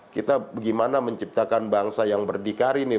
kita bagaimana menciptakan bangsa yang berdikari nih